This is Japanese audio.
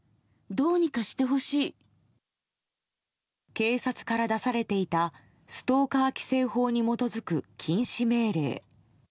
警察から出されていたストーカー規制法に基づく禁止命令。